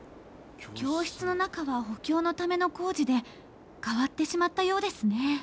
教室の中は補強のための工事で変わってしまったようですね。